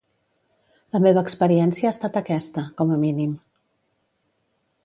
La meva experiència ha estat aquesta, com a mínim.